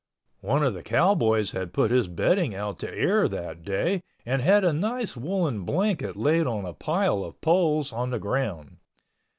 One of the cowboys had put his bedding out to air that day and had a nice woolen blanket laid on a pile of poles on the ground.